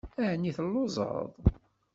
Ɛni telluẓeḍ?